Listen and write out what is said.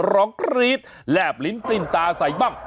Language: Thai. กรี๊ดแลบลิ้นปลิ้นตาใส่บ้าง